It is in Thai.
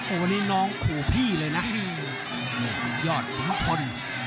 วันนี้น้องขู่พี่เลยนะยอดขุนทน